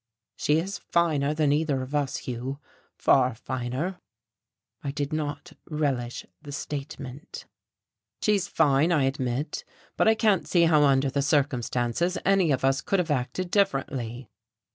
"She is finer than either of us, Hugh, far finer." I did not relish this statement. "She's fine, I admit. But I can't see how under the circumstances any of us could have acted differently."